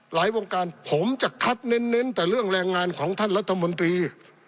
วงการผมจะคัดเน้นแต่เรื่องแรงงานของท่านรัฐมนตรี